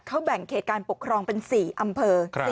เขาแบ่งเขตการปกครองเป็น๔อำเภอ